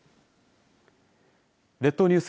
列島ニュース